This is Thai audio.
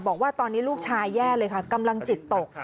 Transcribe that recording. บอกว่าตอนนี้ลูกชายแย่เลยค่ะกำลังจิตตก